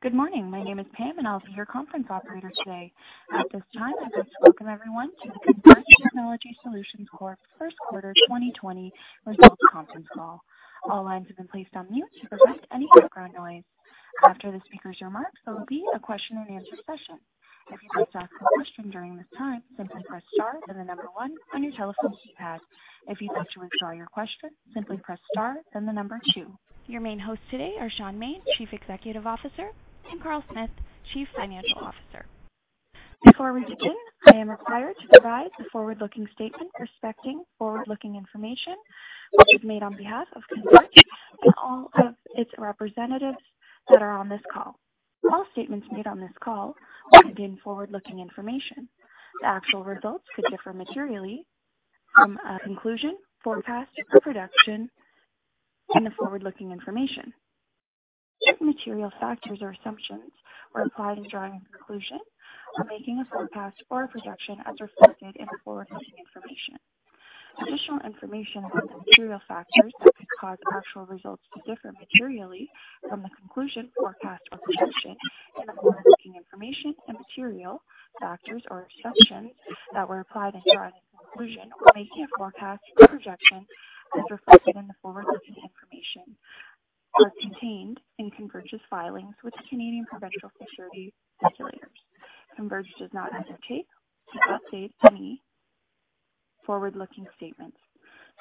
Good morning. My name is Pam and I'll be your conference operator today. At this time, I'd like to welcome everyone to the Converge Technology Solutions Corp., First Quarter 2020 Results Conference Call. All lines have been placed on mute to prevent any background noise. After the speaker's remarks, there will be a question and answer session. If you'd like to ask a question during this time, simply press star, then the number one on your telephone keypad. If you'd like to withdraw your question, simply press star, then the number two. Your main hosts today are Shaun Maine, Chief Executive Officer, and Carl Smith, Chief Financial Officer. Before we begin, I am required to advise the forward-looking statement respecting forward-looking information, which is made on behalf of Converge and all of its representatives that are on this call. All statements made on this call might be forward-looking information. The actual results could differ materially from a conclusion, forecast, or projection in the forward-looking information. Certain material factors or assumptions are applied in drawing a conclusion or making a forecast or a projection as reflected in the forward-looking information. Additional information about the material factors that could cause actual results to differ materially from the conclusion, forecast, or projection in the forward-looking information and material factors or assumptions that were applied in drawing a conclusion or making a forecast or projection as reflected in the forward-looking information are contained in Converge's filings with Canadian provincial securities regulators. Converge does not hesitate to update any forward-looking statements.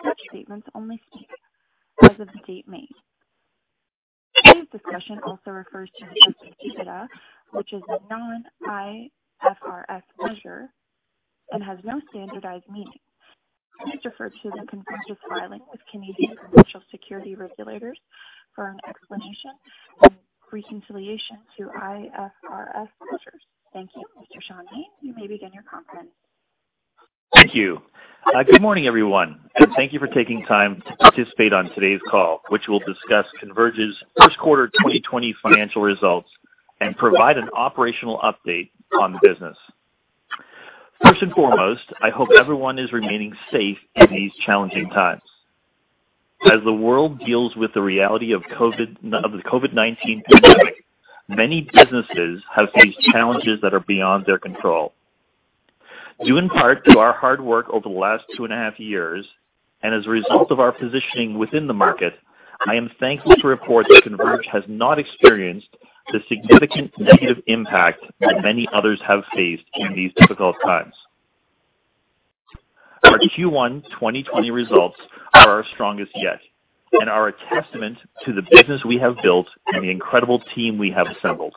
Such statements only speak as of the date made. Today's discussion also refers to adjusted EBITDA, which is a non-IFRS measure and has no standardized meaning. Please refer to the Converge's filing with Canadian provincial securities regulators for an explanation and reconciliation to IFRS measures. Thank you. Mr. Shaun Maine, you may begin your conference. Thank you. Good morning, everyone, and thank you for taking time to participate on today's call, which will discuss Converge's first quarter 2020 financial results and provide an operational update on the business. First and foremost, I hope everyone is remaining safe in these challenging times. As the world deals with the reality of the COVID-19 pandemic, many businesses have faced challenges that are beyond their control. Due in part to our hard work over the last two and a half years, and as a result of our positioning within the market, I am thankful to report that Converge has not experienced the significant negative impact that many others have faced in these difficult times. Our Q1 2020 results are our strongest yet and are a testament to the business we have built and the incredible team we have assembled.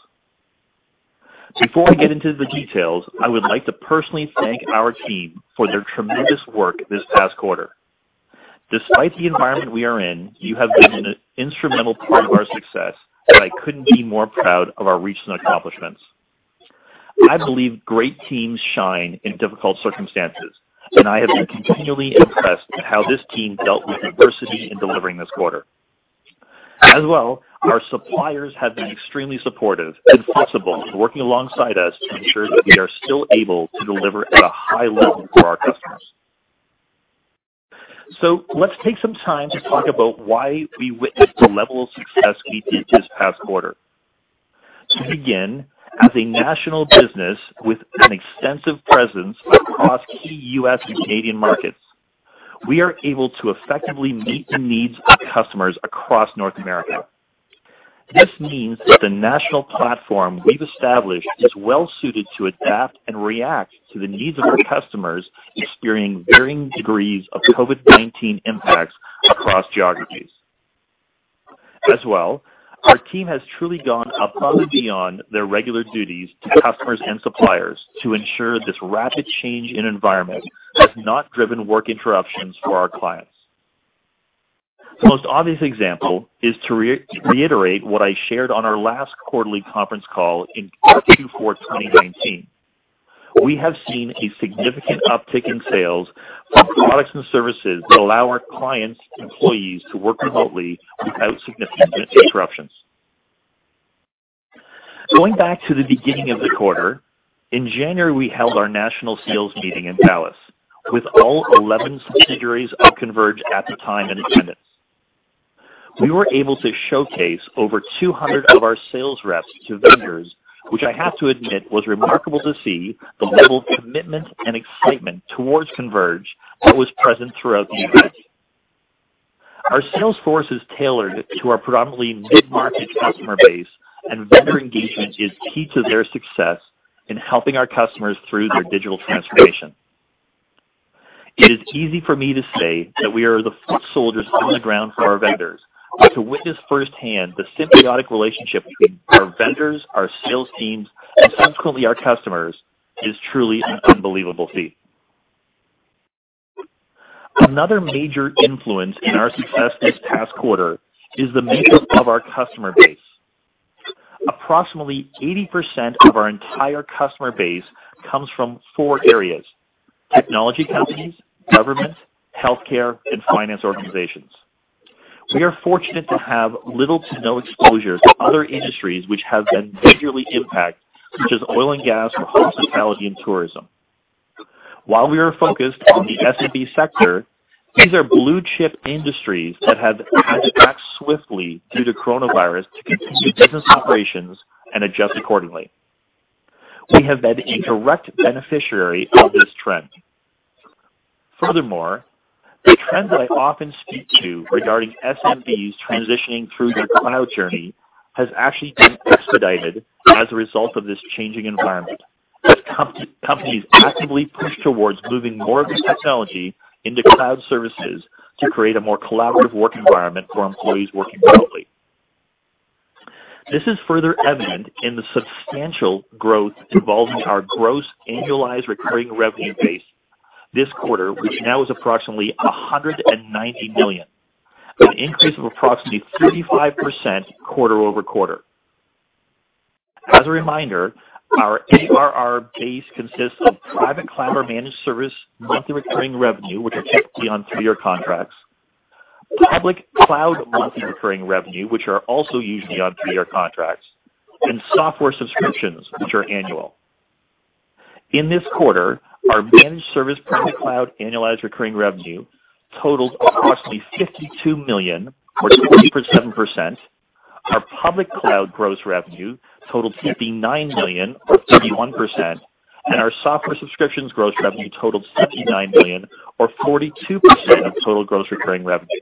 Before we get into the details, I would like to personally thank our team for their tremendous work this past quarter. Despite the environment we are in, you have been an instrumental part of our success, and I couldn't be more proud of our recent accomplishments. I believe great teams shine in difficult circumstances, and I have been continually impressed at how this team dealt with adversity in delivering this quarter. As well, our suppliers have been extremely supportive and flexible in working alongside us to ensure that we are still able to deliver at a high level for our customers. Let's take some time to talk about why we witnessed the level of success we did this past quarter. To begin, as a national business with an extensive presence across key U.S. and Canadian markets, we are able to effectively meet the needs of customers across North America. This means that the national platform we've established is well-suited to adapt and react to the needs of our customers experiencing varying degrees of COVID-19 impacts across geographies. Our team has truly gone above and beyond their regular duties to customers and suppliers to ensure this rapid change in environment has not driven work interruptions for our clients. The most obvious example is to reiterate what I shared on our last quarterly conference call in Q4 2019. We have seen a significant uptick in sales of products and services that allow our clients' employees to work remotely without significant interruptions. Going back to the beginning of the quarter, in January, we held our national sales meeting in Dallas with all 11 subsidiaries of Converge at the time in attendance. We were able to showcase over 200 of our sales reps to vendors, which I have to admit was remarkable to see the level of commitment and excitement towards Converge that was present throughout the event. Our sales force is tailored to our predominantly mid-market customer base, and vendor engagement is key to their success in helping our customers through their digital transformation. It is easy for me to say that we are the foot soldiers on the ground for our vendors. To witness firsthand the symbiotic relationship between our vendors, our sales teams, and subsequently our customers is truly an unbelievable feat. Another major influence in our success this past quarter is the makeup of our customer base. Approximately 80% of our entire customer base comes from four areas: technology companies, government, healthcare, and finance organizations. We are fortunate to have little to no exposure to other industries which have been majorly impacted, such as oil and gas or hospitality and tourism. While we are focused on the SMB sector, these are blue-chip industries that have had to act swiftly due to coronavirus to continue business operations and adjust accordingly. We have been a direct beneficiary of this trend. Furthermore, the trend that I often speak to regarding SMBs transitioning through their cloud journey has actually been expedited as a result of this changing environment, as companies actively push towards moving more of their technology into cloud services to create a more collaborative work environment for employees working remotely. This is further evident in the substantial growth involving our gross annualized recurring revenue base this quarter, which now is approximately 190 million, an increase of approximately 35% quarter-over-quarter. As a reminder, our ARR base consists of private cloud or managed service monthly recurring revenue, which are typically on three-year contracts, public cloud monthly recurring revenue, which are also usually on three-year contracts, and software subscriptions, which are annual. In this quarter, our managed service private cloud annualized recurring revenue totaled approximately 52 million, or 27%. Our public cloud gross revenue totaled 59 million, or 31%, and our software subscriptions gross revenue totaled 79 million, or 42% of total gross recurring revenue.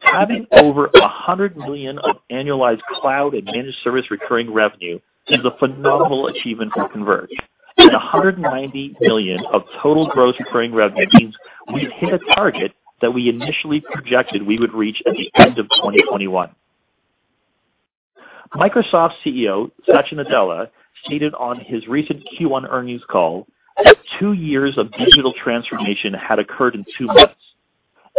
Having over 100 million of annualized cloud and managed service recurring revenue is a phenomenal achievement for Converge, and 190 million of total gross recurring revenue means we've hit a target that we initially projected we would reach at the end of 2021. Microsoft CEO, Satya Nadella, stated on his recent Q1 earnings call that two years of digital transformation had occurred in two months,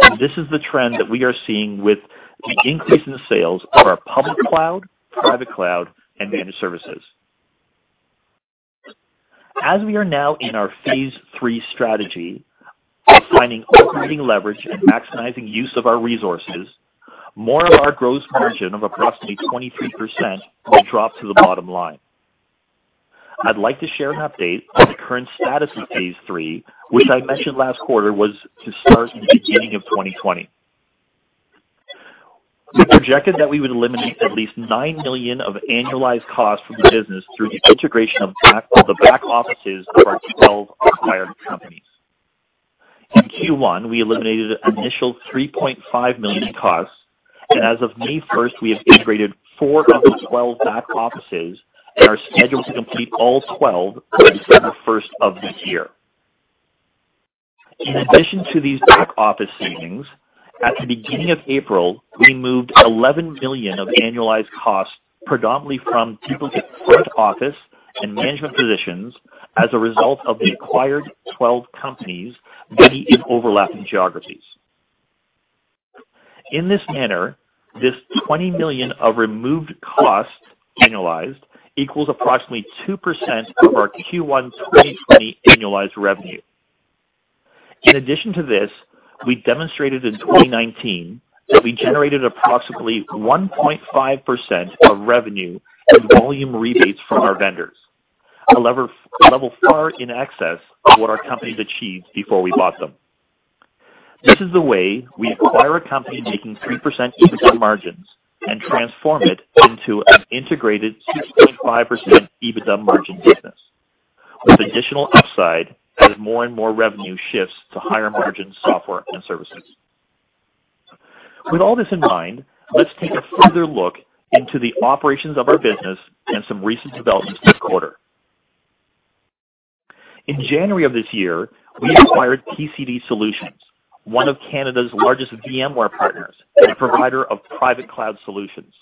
and this is the trend that we are seeing with the increase in sales of our public cloud, private cloud, and managed services. As we are now in our phase 3 strategy of finding operating leverage and maximizing use of our resources, more of our gross margin of approximately 23% will drop to the bottom line. I'd like to share an update on the current status of phase 3, which I mentioned last quarter was to start in the beginning of 2020. We projected that we would eliminate at least nine million of annualized costs from the business through the integration of the back offices of our 12 acquired companies. In Q1, we eliminated an initial 3.5 million in costs, and as of May 1st, we have integrated four of the 12 back offices, and are scheduled to complete all 12 by December 1st of this year. In addition to these back office savings, at the beginning of April, we removed 11 million of annualized costs predominantly from people's front office and management positions as a result of the acquired 12 companies, many in overlapping geographies. In this manner, this 20 million of removed costs, annualized, equals approximately 2% of our Q1 2020 annualized revenue. In addition to this, we demonstrated in 2019 that we generated approximately 1.5% of revenue in volume rebates from our vendors, a level far in excess of what our companies achieved before we bought them. This is the way we acquire a company making 3% EBITDA margins and transform it into an integrated 6.5% EBITDA margin business, with additional upside as more and more revenue shifts to higher-margin software and services. With all this in mind, let's take a further look into the operations of our business and some recent developments this quarter. In January of this year, we acquired PCD Solutions, one of Canada's largest VMware partners and a provider of private cloud solutions.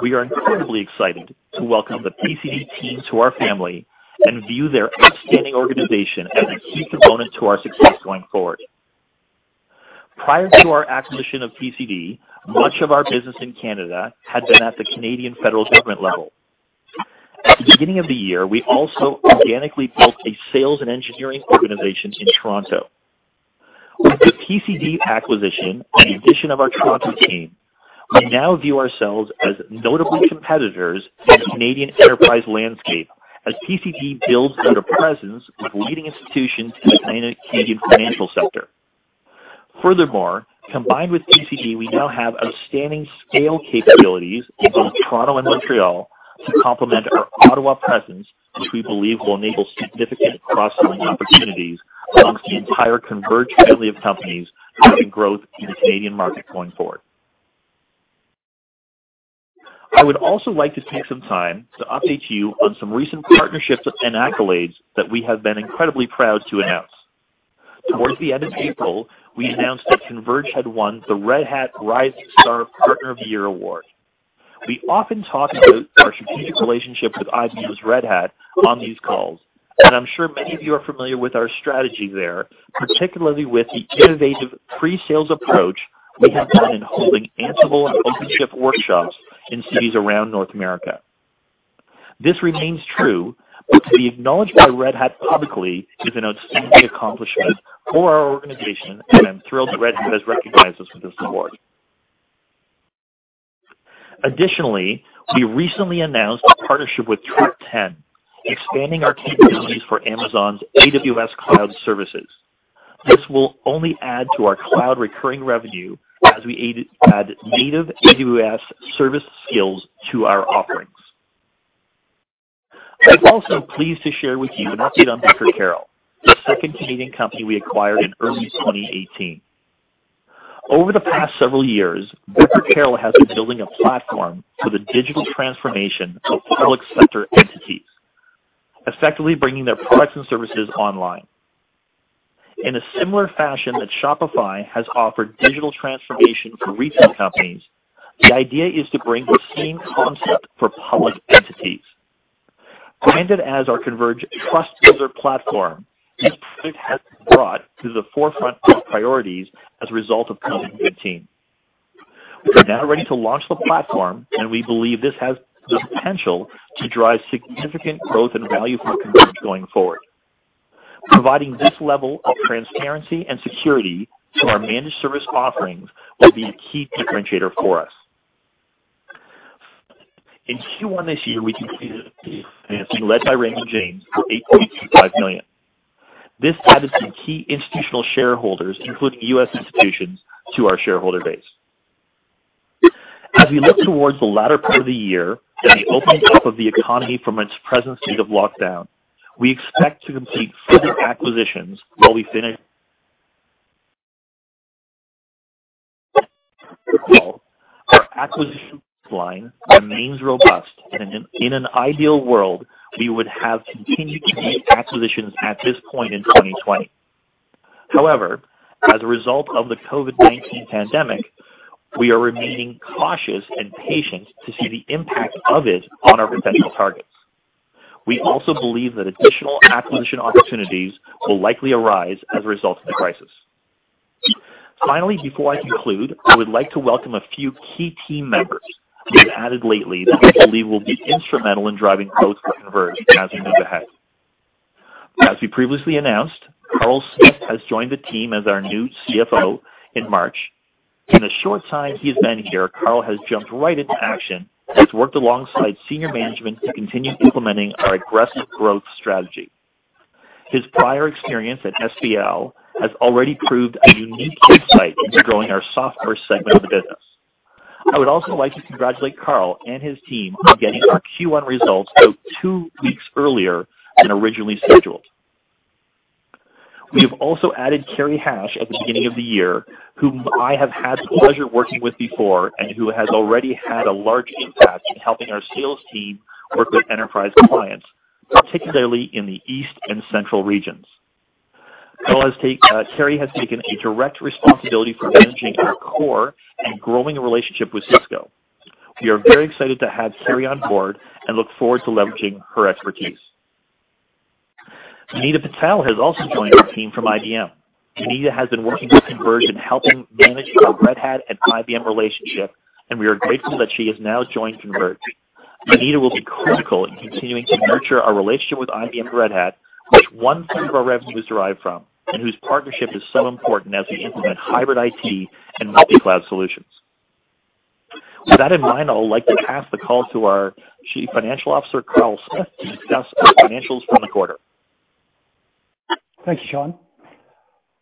We are incredibly excited to welcome the PCD team to our family and view their outstanding organization as a key component to our success going forward. Prior to our acquisition of PCD, much of our business in Canada had been at the Canadian federal government level. At the beginning of the year, we also organically built a sales and engineering organization in Toronto. With the PCD acquisition and the addition of our Toronto team, we now view ourselves as notable competitors in the Canadian enterprise landscape as PCD builds out a presence with leading institutions in the Canadian financial sector. Furthermore, combined with PCD, we now have outstanding scale capabilities in both Toronto and Montreal to complement our Ottawa presence, which we believe will enable significant cross-selling opportunities amongst the entire Converge family of companies, driving growth in the Canadian market going forward. I would also like to take some time to update you on some recent partnerships and accolades that we have been incredibly proud to announce. Towards the end of April, we announced that Converge had won the Red Hat Rising Star Partner of the Year Award. We often talk about our strategic relationship with IBM's Red Hat on these calls, and I'm sure many of you are familiar with our strategy there, particularly with the innovative pre-sales approach we have taken holding Ansible and OpenShift workshops in cities around North America. This remains true, but to be acknowledged by Red Hat publicly is an outstanding accomplishment for our organization, and I'm thrilled Red Hat has recognized us with this award. Additionally, we recently announced a partnership with Stratus10, expanding our capabilities for Amazon's AWS cloud services. This will only add to our cloud recurring revenue as we add native AWS service skills to our offerings. I'm also pleased to share with you an update on Becker-Carroll, the second Canadian company we acquired in early 2018. Over the past several years, Becker-Carroll has been building a platform for the digital transformation of public sector entities, effectively bringing their products and services online. In a similar fashion that Shopify has offered digital transformation for retail companies, the idea is to bring the same concept for public entities. Branded as our Converge TrustBuilder Platform, this product has been brought to the forefront of priorities as a result of COVID-19. We are now ready to launch the platform, and we believe this has the potential to drive significant growth and value for Converge going forward. Providing this level of transparency and security to our managed service offerings will be a key differentiator for us. In Q1 this year, we completed a financing led by Raymond James for 8.25 million. This added some key institutional shareholders, including U.S. institutions, to our shareholder base. As we look towards the latter part of the year and the opening up of the economy from its present state of lockdown, we expect to complete further acquisitions. Overall, our acquisition pipeline remains robust, and in an ideal world, we would have continued to complete acquisitions at this point in 2020. However, as a result of the COVID-19 pandemic, we are remaining cautious and patient to see the impact of it on our potential targets. We also believe that additional acquisition opportunities will likely arise as a result of the crisis. Finally, before I conclude, I would like to welcome a few key team members we've added lately that I believe will be instrumental in driving growth for Converge as we move ahead. As we previously announced, Carl Smith has joined the team as our new CFO in March. In the short time he has been here, Carl has jumped right into action and has worked alongside senior management to continue implementing our aggressive growth strategy. His prior experience at SHL has already proved a unique insight into growing our software segment of the business. I would also like to congratulate Carl and his team on getting our Q1 results out two weeks earlier than originally scheduled. We have also added Cari Hash at the beginning of the year, whom I have had the pleasure of working with before, and who has already had a large impact in helping our sales team work with enterprise clients, particularly in the East and Central regions. Cari has taken a direct responsibility for managing our core and growing relationship with Cisco. We are very excited to have Cari on board and look forward to leveraging her expertise. Anita Patel has also joined our team from IBM. Anita has been working with Converge in helping manage our Red Hat and IBM relationship, and we are grateful that she has now joined Converge. Anita will be critical in continuing to nurture our relationship with IBM Red Hat, which one-third of our revenue is derived from, and whose partnership is so important as we implement hybrid IT and multi-cloud solutions. With that in mind, I would like to pass the call to our Chief Financial Officer, Carl Smith, to discuss our financials for the quarter. Thanks, Shaun.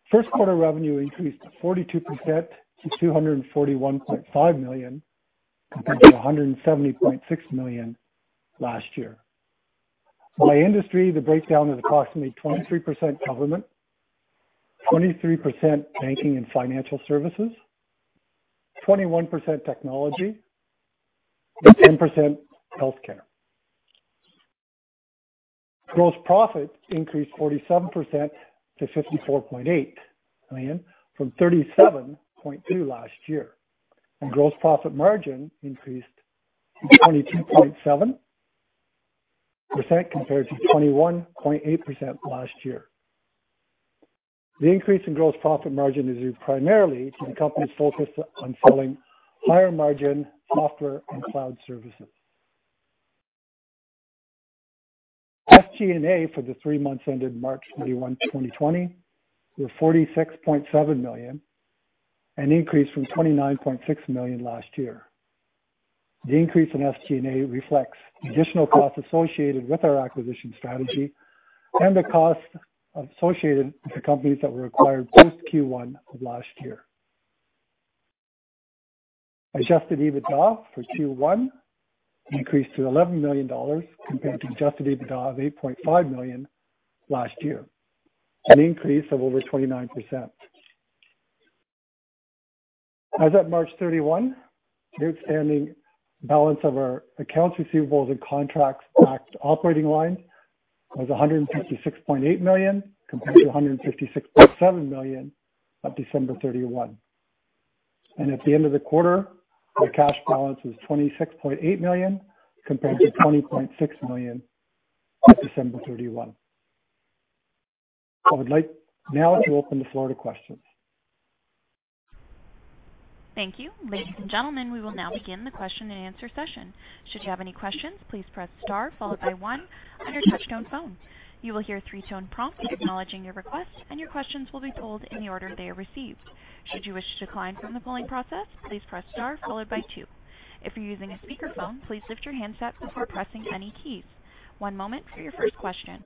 First quarter revenue increased 42% to 241.5 million, compared to 170.6 million last year. By industry, the breakdown is approximately 23% government, 23% banking and financial services, 21% technology, and 10% healthcare. Gross profit increased 47% to 54.8 million, from 37.2 million last year, and gross profit margin increased to 22.7% compared to 21.8% last year. The increase in gross profit margin is due primarily to the company's focus on selling higher-margin software and cloud services. SG&A for the three months ended March 31, 2020, was 46.7 million, an increase from 29.6 million last year. The increase in SG&A reflects additional costs associated with our acquisition strategy and the costs associated with the companies that were acquired post Q1 of last year. Adjusted EBITDA for Q1 increased to 11 million dollars compared to adjusted EBITDA of 8.5 million last year, an increase of over 29%. As at March 31, the outstanding balance of our accounts receivables and contracts backed operating line was 156.8 million, compared to 156.7 million at December 31. At the end of the quarter, our cash balance was 26.8 million, compared to 20.6 million at December 31. I would like now to open the floor to questions. Thank you. Ladies and gentlemen, we will now begin the question and answer session. Should you have any questions, please press star followed by one on your touchtone phone. You will hear a three-tone prompt acknowledging your request, and your questions will be polled in the order they are received. Should you wish to decline from the polling process, please press star followed by two. If you're using a speakerphone, please lift your handset before pressing any keys. One moment for your first question.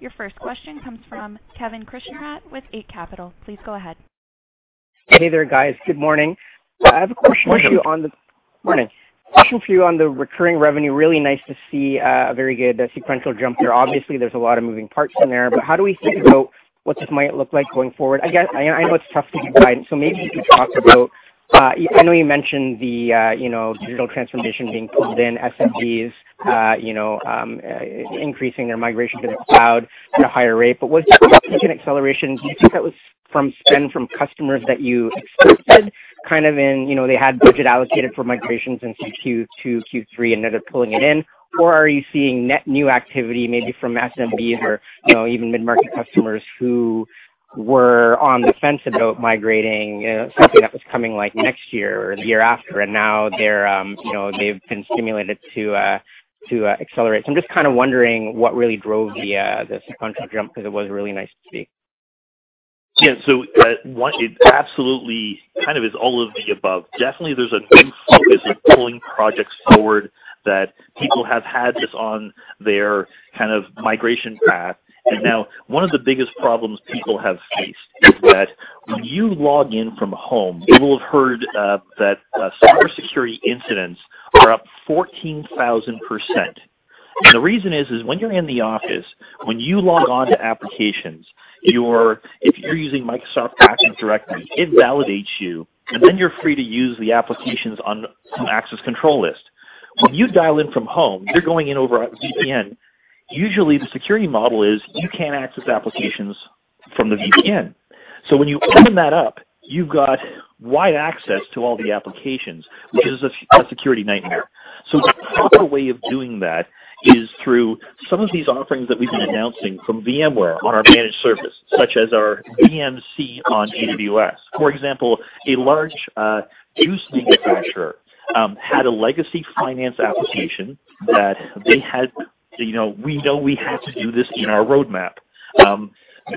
Your first question comes from Kevin Krishnaratne with Eight Capital. Please go ahead. Hey there, guys. Good morning. Morning. Morning. A question for you on the recurring revenue, really nice to see a very good sequential jump there. Obviously, there's a lot of moving parts in there. How do we think about what this might look like going forward? I know it's tough to provide. Maybe you could talk about, I know you mentioned the digital transformation being pulled in, SMBs increasing their migration to the cloud at a higher rate. Was that acceleration, do you think that was from spend from customers that you expected, kind of in they had budget allocated for migrations in Q2, Q3, and now they're pulling it in? Or are you seeing net new activity maybe from SMBs or even mid-market customers who were on the fence about migrating something that was coming next year or the year after, and now they've been stimulated to accelerate? I'm just kind of wondering what really drove the sequential jump because it was really nice to see. Yeah. One, it absolutely kind of is all of the above. Definitely, there's a big focus on pulling projects forward that people have had this on their kind of migration path. Now one of the biggest problems people have faced is that when you log in from home, you will have heard that cybersecurity incidents are up 14,000%. The reason is when you're in the office, when you log on to applications, if you're using Microsoft Active Directory, it validates you, and then you're free to use the applications on some access control list. When you dial in from home, you're going in over a VPN. Usually, the security model is you can't access applications from the VPN. When you open that up, you've got wide access to all the applications, which is a security nightmare. The proper way of doing that is through some of these offerings that we've been announcing from VMware on our managed service, such as our VMware Cloud on AWS. For example, a large juice manufacturer had a legacy finance application that they had, we know we have to do this in our roadmap.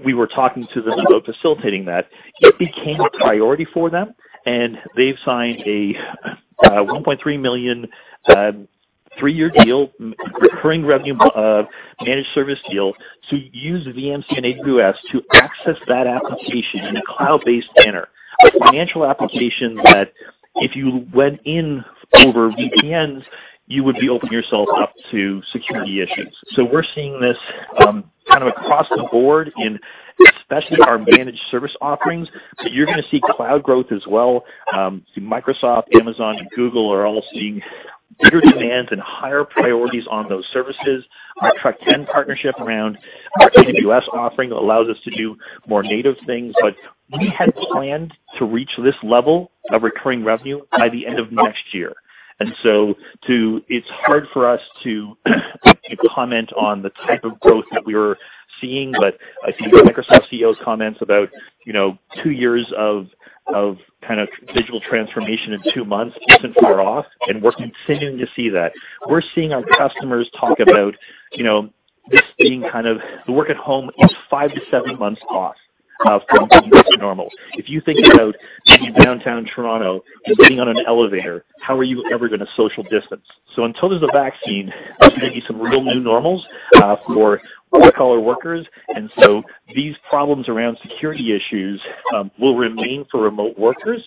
We were talking to them about facilitating that. It became a priority for them, and they've signed a 1.3 million, three-year deal, recurring revenue managed service deal, to use VMware Cloud on AWS to access that application in a cloud-based manner. A financial application that if you went in over VPNs, you would be opening yourself up to security issues. We're seeing this kind of across the board in especially our managed service offerings. You're going to see cloud growth as well. Microsoft, Amazon, and Google are all seeing bigger demands and higher priorities on those services. Our Trust 10 partnership around our AWS offering allows us to do more native things. We had planned to reach this level of recurring revenue by the end of next year. It's hard for us to comment on the type of growth that we're seeing. I see Microsoft CEO's comments about two years of kind of digital transformation in two months isn't far off, and we're continuing to see that. We're seeing our customers talk about this being kind of the work at home is five to seven months off from being back to normal. If you think about maybe downtown Toronto, just getting on an elevator, how are you ever going to social distance? Until there's a vaccine, there's going to be some real new normals for white-collar workers. These problems around security issues will remain for remote workers.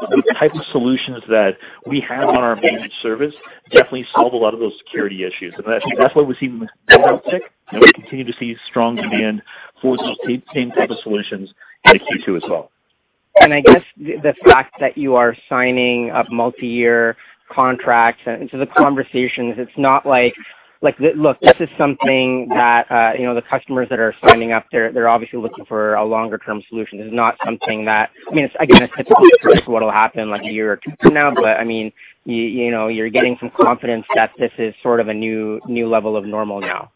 The type of solutions that we have on our managed service definitely solve a lot of those security issues. That's why we're seeing demand tick, and we continue to see strong demand for those same type of solutions in Q2 as well. I guess the fact that you are signing up multi-year contracts into the conversations, this is something that the customers that are signing up, they're obviously looking for a longer-term solution. I mean, again, it's hard to predict what'll happen like a year or two from now, but you're getting some confidence that this is sort of a new level of normal now.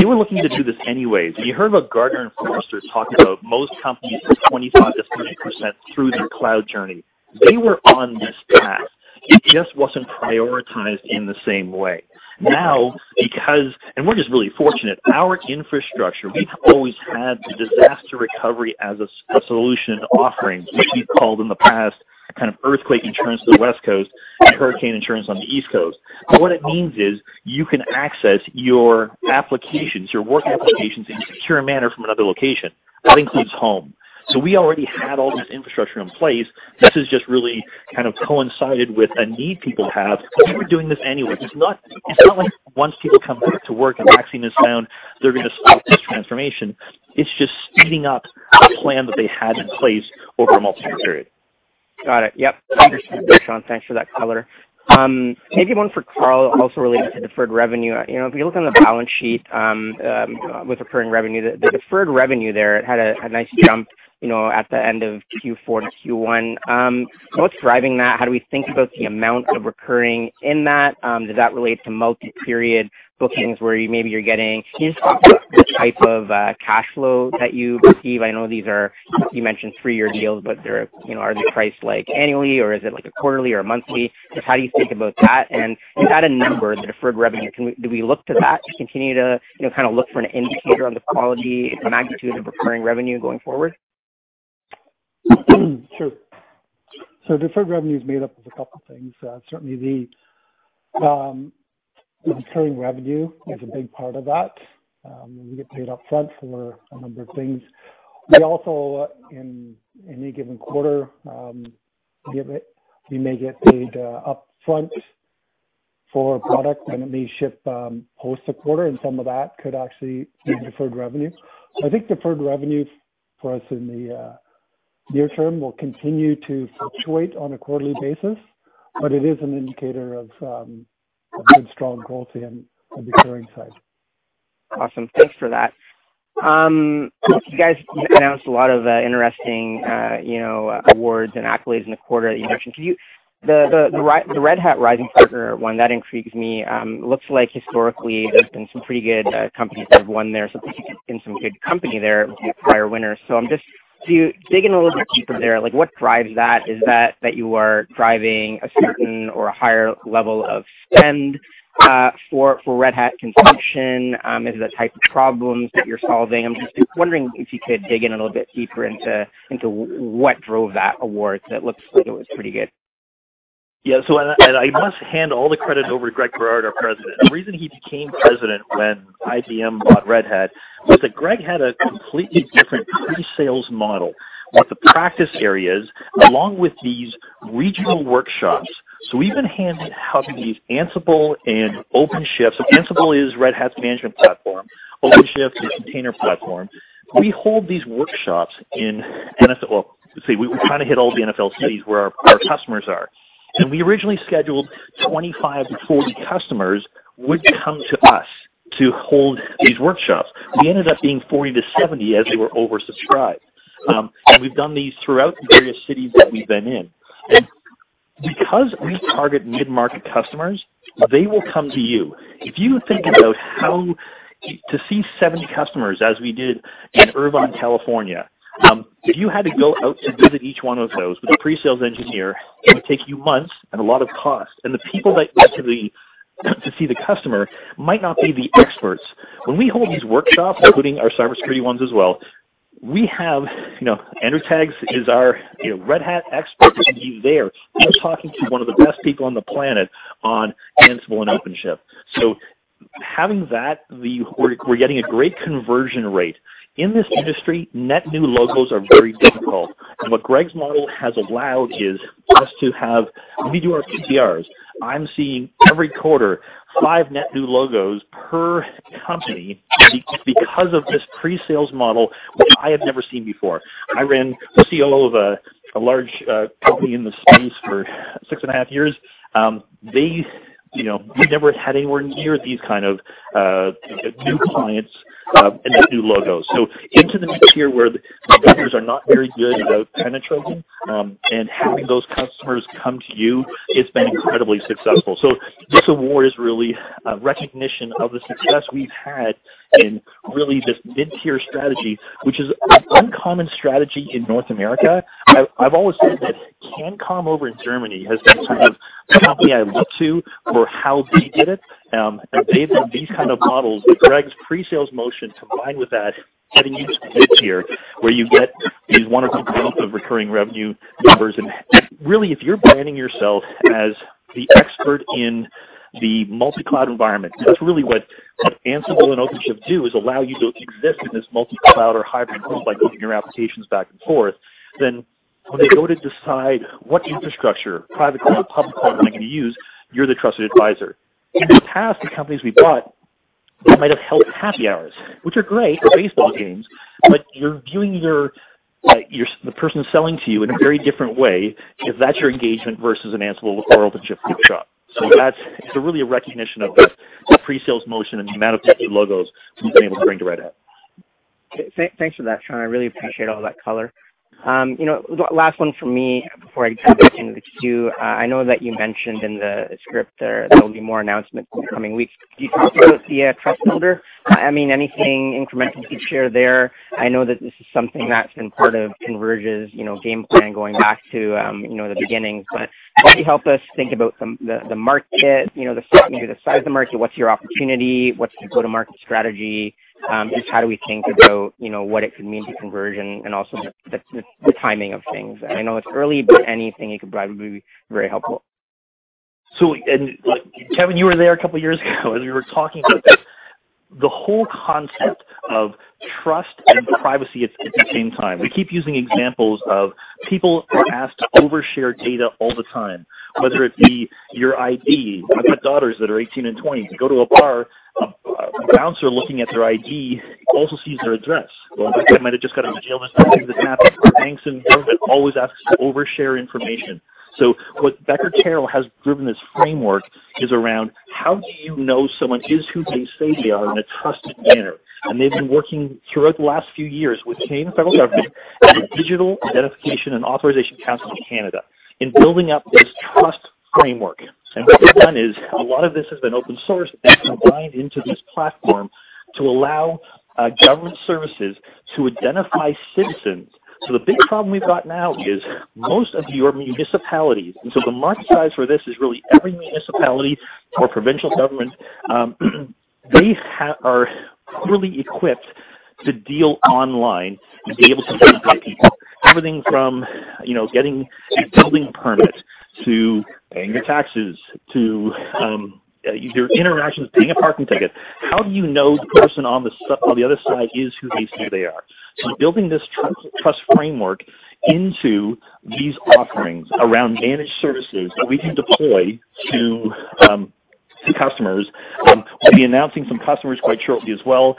They were looking to do this anyways. You heard what Gartner and Forrester talking about most companies are 25% to 30% through their cloud journey. They were on this path. It just wasn't prioritized in the same way. We're just really fortunate. Our infrastructure, we've always had the disaster recovery as a solution and offering, which we've called in the past kind of earthquake insurance on the West Coast and hurricane insurance on the East Coast. What it means is you can access your applications, your work applications in a secure manner from another location. That includes home. We already had all this infrastructure in place. This has just really kind of coincided with a need people have, they were doing this anyway. It's not like once people come back to work and the vaccine is found, they're going to stop this transformation. It's just speeding up a plan that they had in place over a multi-year period. Got it. Yep. Understood there, Shaun. Thanks for that color. Maybe one for Carl also related to deferred revenue. If you look on the balance sheet with recurring revenue, the deferred revenue there had a nice jump at the end of Q4 to Q1. What's driving that? How do we think about the amount of recurring in that? Does that relate to multi-period bookings where maybe you're getting-- Can you just talk about the type of cash flow that you receive? I know these are, you mentioned three-year deals, but are they priced like annually or is it like a quarterly or a monthly? Just how do you think about that? Is that a number, the deferred revenue? Do we look to that to continue to kind of look for an indicator on the quality and the magnitude of recurring revenue going forward? Sure. Deferred revenue is made up of a couple of things. Certainly the recurring revenue is a big part of that. We get paid upfront for a number of things. We also, in any given quarter, we may get paid upfront for a product and it may ship post a quarter, and some of that could actually be deferred revenue. I think deferred revenue for us in the near term will continue to fluctuate on a quarterly basis, but it is an indicator of a good, strong quarter on the recurring side. Awesome. Thanks for that. You guys announced a lot of interesting awards and accolades in the quarter that you mentioned. The Red Hat Rising Partner one, that intrigues me. Looks like historically there's been some pretty good companies that have won there, so you're in some good company there with the prior winners. I'm just digging a little bit deeper there, what drives that? Is that you are driving a certain or a higher level of spend for Red Hat consumption? Is it the type of problems that you're solving? I'm just wondering if you could dig in a little bit deeper into what drove that award, because it looks like it was pretty good. Yeah. I must hand all the credit over to Greg Berard, our president. The reason he became president when IBM bought Red Hat was that Greg had a completely different pre-sales model with the practice areas, along with these regional workshops. We've been handed how do we use Ansible and OpenShift. Ansible is Red Hat's management platform. OpenShift is a container platform. We hold these workshops. Well, let's see. We kind of hit all the NFL cities where our customers are. We originally scheduled 25-40 customers would come to us to hold these workshops. We ended up being 40-70 as they were oversubscribed. We've done these throughout the various cities that we've been in. Because we target mid-market customers, they will come to you. If you think about how to see 70 customers as we did in Irvine, California, if you had to go out to visit each one of those with a pre-sales engineer, it would take you months and a lot of cost. The people that go to see the customer might not be the experts. When we hold these workshops, including our cybersecurity ones as well, we have Andrew Tagg is our Red Hat expert, and he's there. You're talking to one of the best people on the planet on Ansible and OpenShift. Having that, we're getting a great conversion rate. In this industry, net new logos are very difficult. What Greg's model has allowed is us to have, when we do our QBRs, I'm seeing every quarter, five net new logos per company because of this pre-sales model, which I have never seen before. I ran COO of a large company in the space for six and a half years. We've never had anywhere near these kind of new clients and net new logos. Into the mid-tier where the vendors are not very good about penetrating, and having those customers come to you, it's been incredibly successful. This award is really a recognition of the success we've had in really this mid-tier strategy, which is an uncommon strategy in North America. I've always said that CANCOM over in Germany has been sort of the company I look to for how they did it. They've had these kind of models, but Greg's pre-sales motion combined with that, having these mid-tier where you get these one or two points of recurring revenue numbers. Really if you're branding yourself as the expert in the multi-cloud environment, because that's really what Ansible and OpenShift do, is allow you to exist in this multi-cloud or hybrid world by moving your applications back and forth. When they go to decide what infrastructure, private cloud, public cloud am I going to use, you're the trusted advisor. In the past, the companies we bought might have held happy hours, which are great, or baseball games, but you're viewing the person selling to you in a very different way if that's your engagement versus an Ansible or OpenShift bootcamp. It's really a recognition of the pre-sales motion and the amount of net new logos we've been able to bring to Red Hat. Thanks for that, Shaun. I really appreciate all that color. Last one from me before I turn it back into the queue. I know that you mentioned in the script there that there will be more announcements in the coming weeks. Could you talk about the TrustBuilder? Anything incremental you could share there? I know that this is something that's been part of Converge's game plan going back to the beginning. Can you help us think about the market, the size of the market, what's your opportunity, what's your go-to-market strategy? Just how do we think about what it could mean to Converge and also just the timing of things? I know it's early, but anything you could provide would be very helpful. Kevin, you were there a couple of years ago, we were talking about this. The whole concept of trust and privacy at the same time. We keep using examples of people are asked to overshare data all the time, whether it be your ID. I've got daughters that are 18 and 20. They go to a bar, a bouncer looking at their ID also sees their address. In fact, they might have just got out of jail this morning, doesn't matter. Banks in general always ask us to overshare information. What Becker-Carroll has driven this framework is around how do you know someone is who they say they are in a trusted manner. They've been working throughout the last few years with Canadian federal government, the Digital Identification and Authentication Council of Canada, in building up this trust framework. What they've done is a lot of this has been open source and combined into this platform to allow government services to identify citizens. The big problem we've got now is most of your municipalities, and so the market size for this is really every municipality or provincial government they have are really equipped to deal online and be able to verify people. Everything from getting a building permit, to paying your taxes, to your interactions, paying a parking ticket. How do you know the person on the other side is who they say they are? Building this trust framework into these offerings around managed services that we can deploy to customers. We'll be announcing some customers quite shortly as well.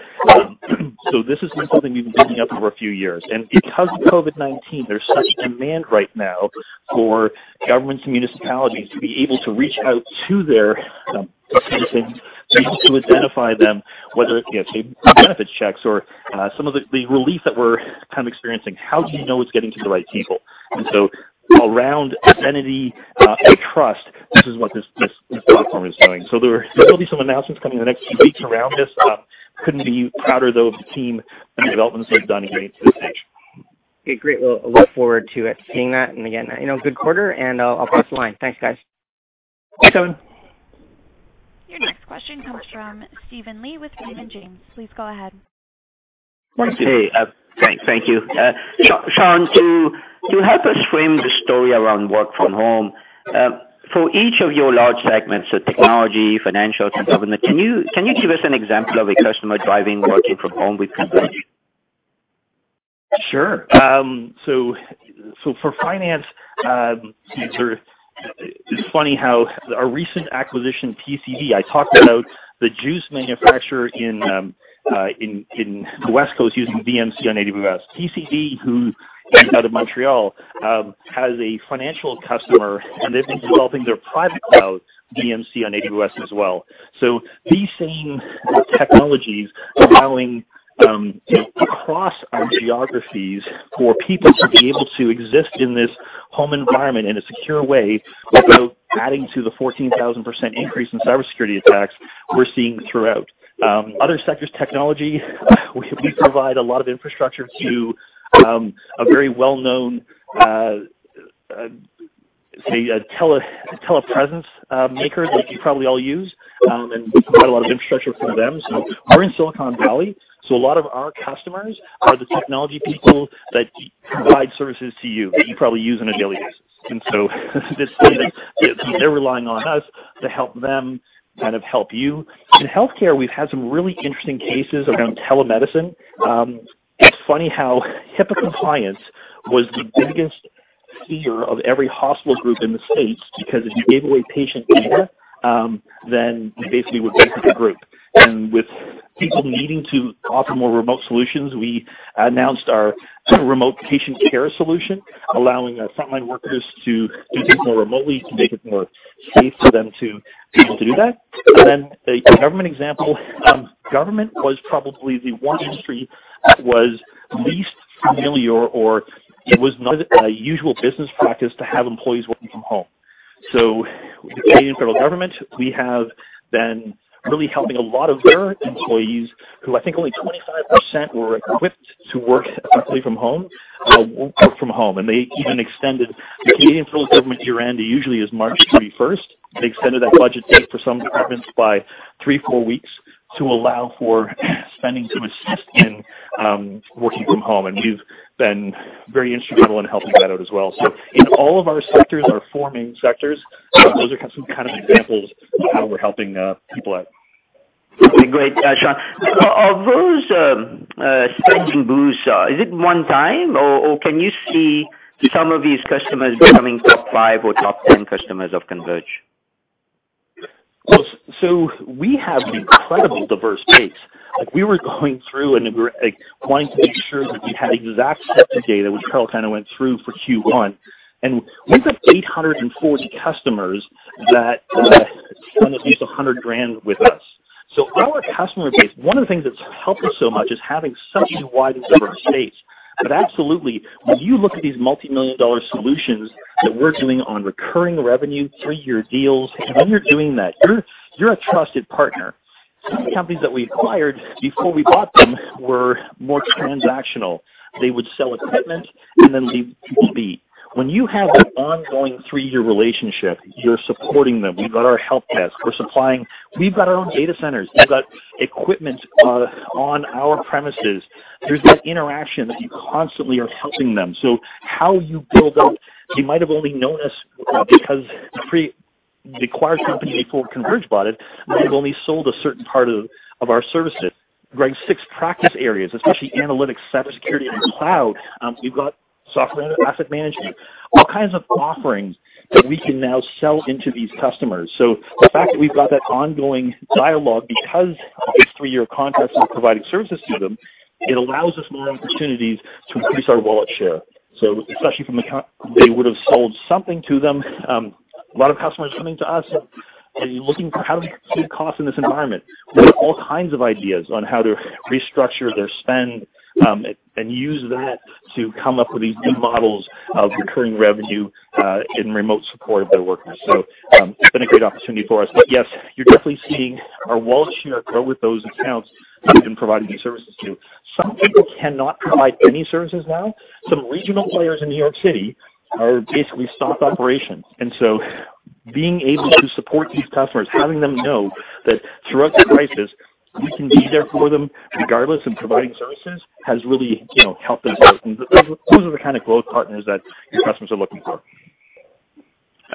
This has been something we've been building up over a few years. Because of COVID-19, there's such demand right now for governments and municipalities to be able to reach out to their citizens, to be able to identify them, whether it's benefits checks or some of the relief that we're kind of experiencing. How do you know it's getting to the right people? Around identity and trust, this is what this platform is doing. There will be some announcements coming in the next few weeks around this. Couldn't be prouder, though, of the team and the developments they've done here to this stage. Okay, great. Well, I look forward to seeing that. Again, good quarter, and I'll pass the line. Thanks, guys. Thanks, KKevin. Your next question comes from Steven Li with Raymond James. Please go ahead. One, two. Hey, thank you. Shaun, to help us frame the story around work from home, for each of your large segments, so Technology, Financial, and Government, can you give us an example of a customer driving working from home with Converge? Sure. For finance, it's funny how our recent acquisition, PCD Solutions, I talked about the juice manufacturer in the West Coast using VMC on AWS. PCD Solutions, who is out of Montreal, has a financial customer, and they've been developing their private cloud VMC on AWS as well. These same technologies allowing across our geographies for people to be able to exist in this home environment in a secure way without adding to the 14,000% increase in cybersecurity attacks we're seeing throughout. Other sectors, technology, we provide a lot of infrastructure to a very well-known, say, a telepresence maker that you probably all use, and provide a lot of infrastructure for them. We're in Silicon Valley, so a lot of our customers are the technology people that provide services to you, that you probably use on a daily basis. They're relying on us to help them kind of help you. In healthcare, we've had some really interesting cases around telemedicine. It's funny how HIPAA compliance was the biggest fear of every hospital group in the States, because if you gave away patient data, then you basically would bankrupt the group. With people needing to offer more remote solutions, we announced our remote patient care solution, allowing frontline workers to do things more remotely to make it more safe for them to be able to do that. A government example, government was probably the one industry that was least familiar or it was not a usual business practice to have employees working from home. With the Canadian Federal Government, we have been really helping a lot of their employees, who I think only 25% were equipped to work completely from home, work from home. The Canadian federal government year-end usually is March 31st. They extended that budget date for some departments by three, four weeks to allow for spending to assist in working from home. We've been very instrumental in helping that out as well. In all of our sectors, our four main sectors, those are kind of some examples of how we're helping people out. Great, Shaun. Are those spending boosts, is it one-time, or can you see some of these customers becoming top five or top 10 customers of Converge? We have an incredibly diverse base. We were going through and we were going to make sure that we had exact set of data, which Carl kind of went through for Q1. We've got 840 customers that spend at least 100,000 with us. Our customer base, one of the things that's helped us so much is having such a wide and diverse base. Absolutely, when you look at these multimillion-dollar solutions that we're doing on recurring revenue, three-year deals, and when you're doing that, you're a trusted partner. Some of the companies that we acquired before we bought them were more transactional. They would sell equipment and then leave people be. When you have an ongoing three-year relationship, you're supporting them. We've got our help desk. We've got our own data centers. We've got equipment on our premises. There's that interaction that you constantly are helping them. They might have only known us because the acquired company before Converge bought it might have only sold a certain part of our services. Six practice areas, especially analytics, cybersecurity, and cloud. We've got software asset management, all kinds of offerings that we can now sell into these customers. The fact that we've got that ongoing dialogue because of this three-year contract and providing services to them, it allows us more opportunities to increase our wallet share. Especially from account, they would've sold something to them. A lot of customers coming to us and looking for how to reduce costs in this environment. We have all kinds of ideas on how to restructure their spend, and use that to come up with these new models of recurring revenue in remote support of their workers. It's been a great opportunity for us. Yes, you're definitely seeing our wallet share grow with those accounts that we've been providing these services to. Some people cannot provide any services now. Some regional players in New York City are basically stopped operations. Being able to support these customers, having them know that throughout the crisis, we can be there for them regardless of providing services, has really helped them out. Those are the kind of growth partners that your customers are looking for.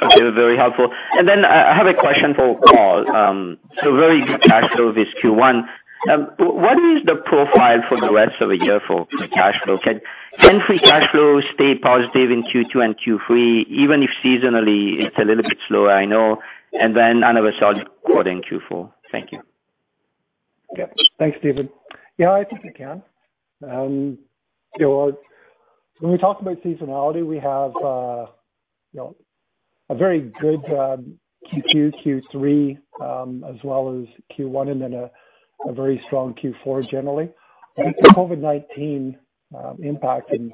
Okay. Very helpful. I have a question for Carl. Very good cash flow this Q1. What is the profile for the rest of the year for cash flow? Can free cash flow stay positive in Q2 and Q3, even if seasonally it's a little bit slower, I know, and then another surge occuring in Q4? Thank you. Yep. Thanks, Steven. Yeah. I think we can. When we talk about seasonality, we have a very good Q2, Q3, as well as Q1, and then a very strong Q4 generally. I think the COVID-19 impact and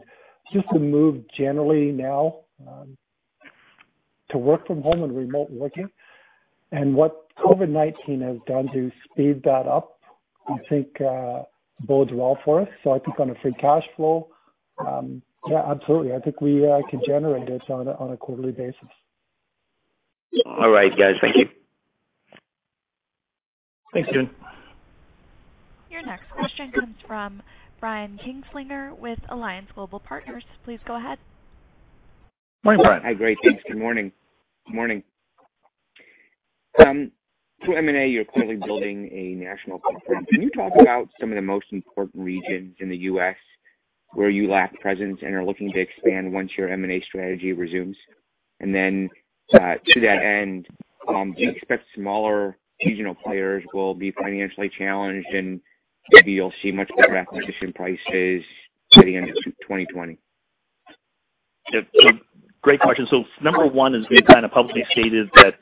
just the move generally now to work from home and remote working, and what COVID-19 has done to speed that up, I think bodes well for us. I think on a free cash flow, yeah, absolutely. I think we can generate this on a quarterly basis. All right, guys, thank you. Thanks, Steven. Your next question comes from Brian Kinstlinger with Alliance Global Partners. Please go ahead. Hi, Brian. Hi. Great, thanks. Good morning. To M&A, you're clearly building a national footprint. Can you talk about some of the most important regions in the U.S. where you lack presence and are looking to expand once your M&A strategy resumes? To that end, do you expect smaller regional players will be financially challenged, and maybe you'll see much better acquisition prices by the end of 2020? Great question. Number one is we've kind of publicly stated that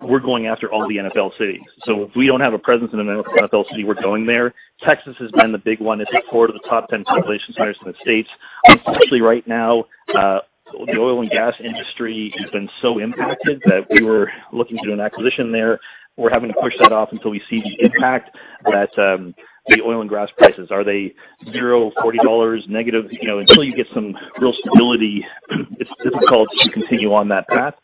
we're going after all the NFL cities. If we don't have a presence in an NFL city, we're going there. Texas has been the big one. It's four of the top 10 population centers in the States. Actually, right now, the oil and gas industry has been so impacted that we were looking to do an acquisition there. We're having to push that off until we see the impact that the oil and gas prices. Are they zero, 40 dollars, negative? Until you get some real stability, it's difficult to continue on that path.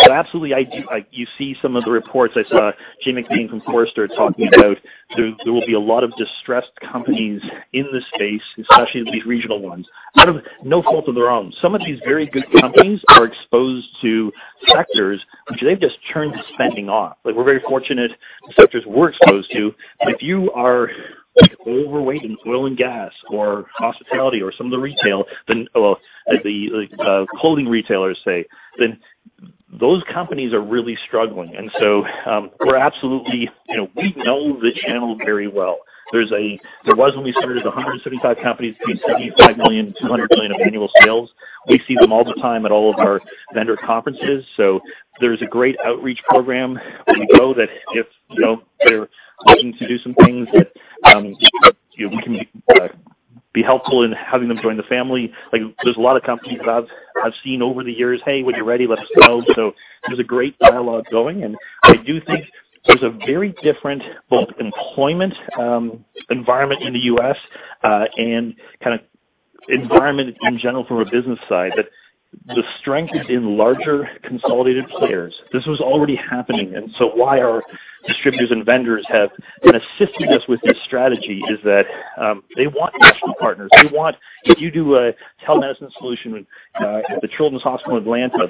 Absolutely, you see some of the reports. I saw Jay McBain from Forrester talking about there will be a lot of distressed companies in this space, especially the regional ones, out of no fault of their own. Some of these very good companies are exposed to sectors which they've just turned the spending off. We're very fortunate, the sectors we're exposed to. If you are overweight in oil and gas or hospitality or some of the retail, the clothing retailers, say, then those companies are really struggling. We know the channel very well. There was, when we started, 175 companies between 75 million, 200 million of annual sales. We see them all the time at all of our vendor conferences. There's a great outreach program where we know that if they're looking to do some things, that we can be helpful in having them join the family. There's a lot of companies that I've seen over the years, "Hey, when you're ready, let us know." There's a great dialogue going, and I do think there's a very different both employment environment in the U.S., and kind of environment in general from a business side, that the strength is in larger, consolidated players. This was already happening. Why our distributors and vendors have been assisting us with this strategy is that, they want national partners. If you do a telemedicine solution with the Children's Healthcare of Atlanta,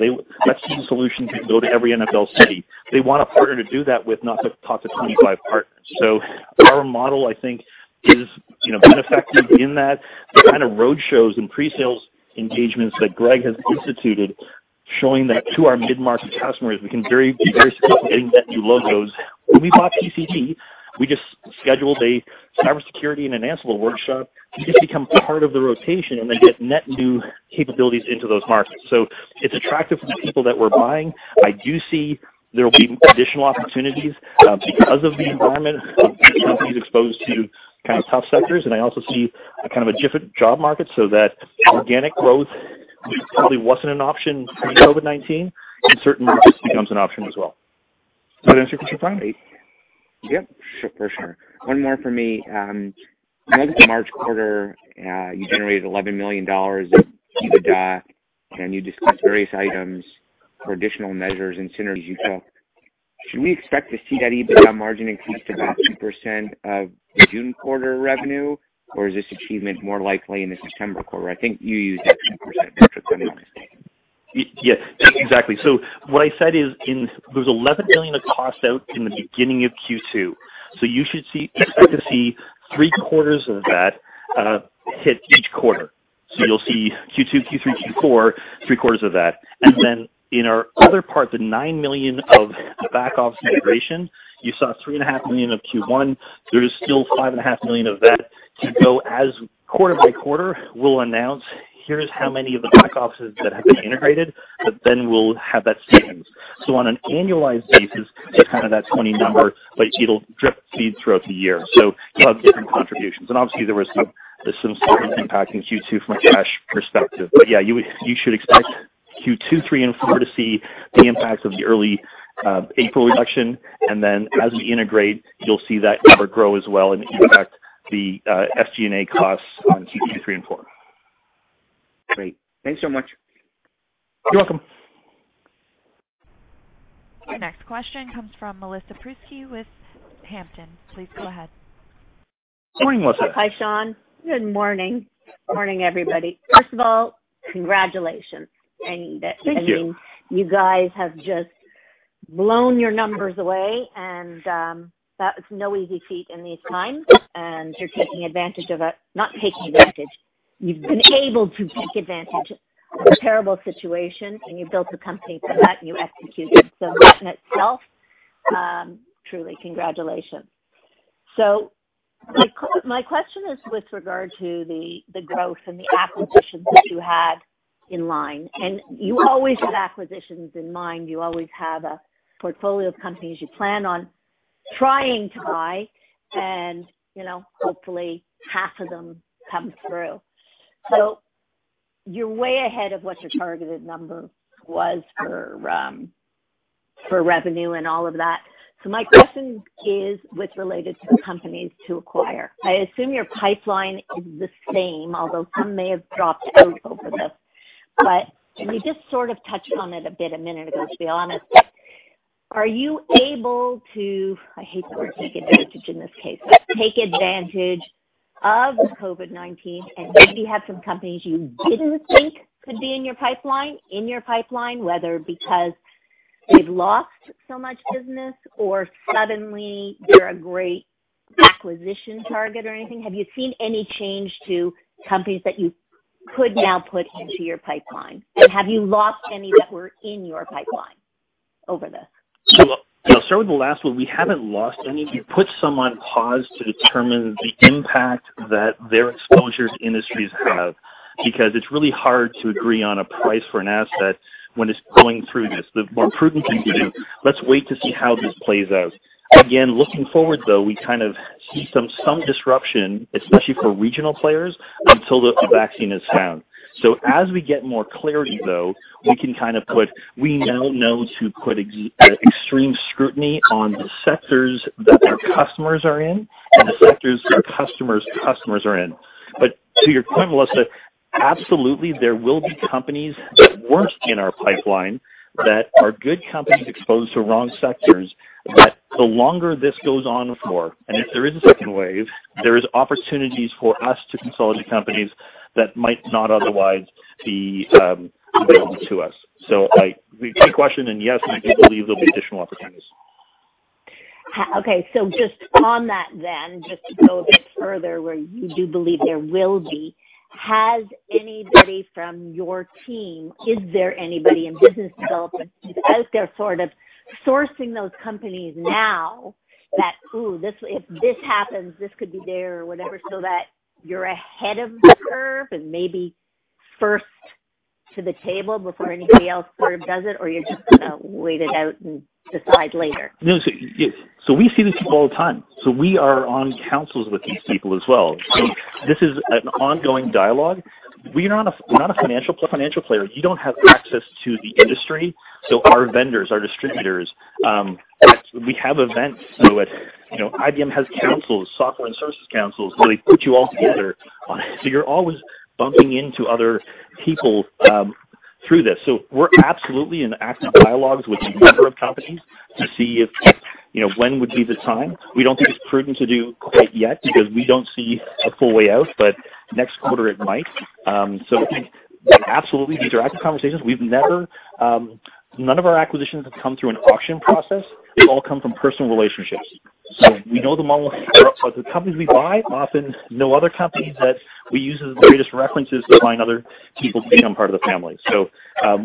that same solution can go to every NFL city. They want a partner to do that with, not the top 25 partners. Our model, I think, has been effective in that. The kind of road shows and pre-sales engagements that Greg has instituted, showing that to our mid-market customers, we can be very successful at getting net new logos. When we bought PCD, we just scheduled a cybersecurity and Ansible workshop. You just become part of the rotation and then get net new capabilities into those markets. It's attractive for the people that we're buying. I do see there will be additional opportunities, because of the environment of companies exposed to kind of tough sectors, and I also see a kind of a different job market, so that organic growth, which probably wasn't an option pre-COVID-19, it certainly just becomes an option as well. Does that answer your question, Brian? Great. Yep, for sure. One more for me. In the March quarter, you generated 11 million dollars of EBITDA. You discussed various items for additional measures and synergies you saw. Should we expect to see that EBITDA margin increase to about 2% of the June quarter revenue, or is this achievement more likely in the September quarter? I think you used that 2% metric when you were explaining. Exactly. What I said is, there was 11 million of costs out in the beginning of Q2. You should expect to see three quarters of that hit each quarter. You'll see Q2, Q3, Q4, three quarters of that. In our other part, the 9 million of the back office integration, you saw 3.5 million of Q1. There is still 5.5 million of that to go as quarter by quarter, we'll announce, "Here's how many of the back offices that have been integrated," but then we'll have that savings. On an annualized basis, it's kind of that 20 number, but it'll drip feed throughout the year. You'll have different contributions. Obviously, there's some short-term impacting Q2 from a cash perspective. Yeah, you should expect Q2, Q3, and Q4 to see the impacts of the early April reduction. As we integrate, you'll see that number grow as well and impact the SG&A costs on Q2, three, and four. Great. Thanks so much. You're welcome. Your next question comes from Melissa Prusky with Hampton. Please go ahead. Morning, Melissa. Hi, Shaun. Good morning. Morning, everybody. First of all, congratulations. Thank you. You guys have just blown your numbers away, and that is no easy feat in these times. You're not taking advantage. You've been able to take advantage of a terrible situation, and you've built a company from that, and you executed. That in itself, truly, congratulations. My question is with regard to the growth and the acquisitions that you had in line. You always have acquisitions in mind, you always have a portfolio of companies you plan on trying to buy, and hopefully half of them come through. You're way ahead of what your targeted number was for revenue and all of that. My question is with related to the companies to acquire. I assume your pipeline is the same, although some may have dropped out over this. You just sort of touched on it a bit a minute ago, to be honest. Are you able to, I hate the word take advantage in this case, but take advantage of COVID-19, and maybe have some companies you didn't think could be in your pipeline, whether because they've lost so much business or suddenly they're a great acquisition target or anything? Have you seen any change to companies that you could now put into your pipeline? Have you lost any that were in your pipeline over this? I'll start with the last one. We haven't lost any. We put some on pause to determine the impact that their exposure to industries have, because it's really hard to agree on a price for an asset when it's going through this. The more prudent thing to do, let's wait to see how this plays out. Again, looking forward, though, we kind of see some disruption, especially for regional players, until the vaccine is found. As we get more clarity, though, we now know to put extreme scrutiny on the sectors that their customers are in and the sectors their customers' customers are in. To your point, Melissa, absolutely there will be companies that weren't in our pipeline that are good companies exposed to wrong sectors, that the longer this goes on for, and if there is a second wave, there is opportunities for us to consolidate companies that might not otherwise be available to us. To your question, and yes, I do believe there'll be additional opportunities. Just on that then, just to go a bit further, where you do believe there will be, has anybody from your team, is there anybody in business development, as they're sort of sourcing those companies now that, ooh, if this happens, this could be there or whatever, so that you're ahead of the curve and maybe first to the table before anybody else sort of does it, or you just wait it out and decide later? No. We see these people all the time. We are on councils with these people as well. This is an ongoing dialogue. We are not a financial player. You don't have access to the industry. Our vendors, our distributors, we have events. IBM has councils, software and services councils, where they put you all together. You're always bumping into other people through this. We're absolutely in active dialogues with a number of companies to see when would be the time. We don't think it's prudent to do quite yet because we don't see a full way out, but next quarter it might. Absolutely, these are active conversations. None of our acquisitions have come through an auction process. They've all come from personal relationships. We know the model. The companies we buy often know other companies that we use as the greatest references to find other people to become part of the family.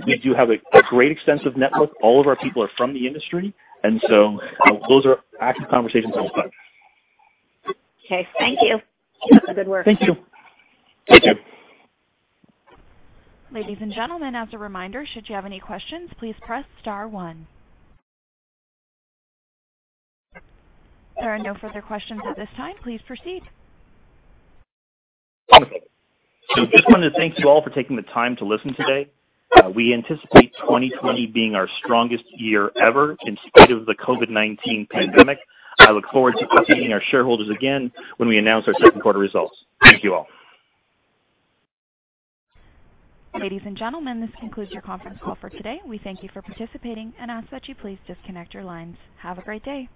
We do have a great extensive network. All of our people are from the industry, those are active conversations all the time. Okay. Thank you. Keep up the good work. Thank you. Ladies and gentlemen, as a reminder, should you have any questions, please press star one. There are no further questions at this time. Please proceed. Just wanted to thank you all for taking the time to listen today. We anticipate 2020 being our strongest year ever in spite of the COVID-19 pandemic. I look forward to seeing our shareholders again when we announce our second quarter results. Thank you all. Ladies and gentlemen, this concludes your conference call for today. We thank you for participating and ask that you please disconnect your lines. Have a great day.